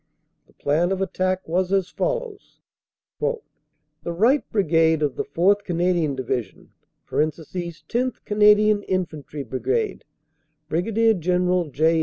The plan of attack was as follows : "The right Brigade of the 4th. Canadian Division (10th. Canadian Infantry Brigade, Brig. General J.